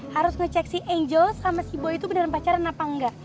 harus ngecek si angel sama si boy itu benar pacaran apa enggak